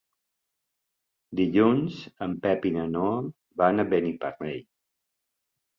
Dilluns en Pep i na Noa van a Beniparrell.